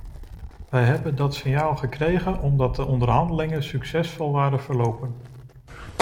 Wij hebben dat signaal gekregen omdat de onderhandelingen succesvol waren verlopen.